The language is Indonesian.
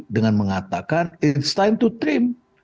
dengan mengatakan it's time to trade